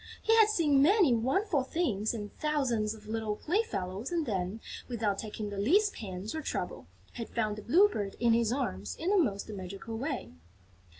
He had seen many wonderful things and thousands of little playfellows and then, without taking the least pains or trouble, had found the Blue Bird in his arms in the most magical way.